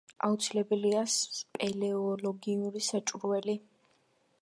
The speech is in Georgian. აუცილებელია სპელეოლოგიური საჭურველი.